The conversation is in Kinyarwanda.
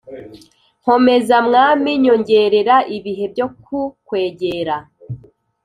Nkomeza mwami nyongerea ibihe byo kukwegera